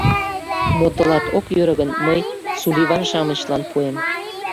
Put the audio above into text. Мо тылат ок йӧрӧ гын, мый Сулливан-шамычлан пуэм.